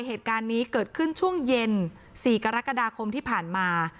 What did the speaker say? เหตุการณ์นี้เกิดขึ้นช่วงเย็น๔กรกฎาคมที่ผ่านมา